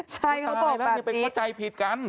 ใช่เขาบอกแบบนี้ตายแล้วมันเป็นเข้าใจผิดกัน